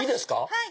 はい。